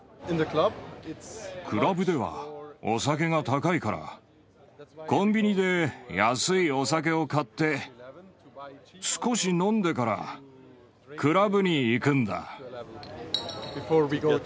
クラブではお酒が高いから、コンビニで安いお酒を買って、少し飲んでからクラブに行くんだ。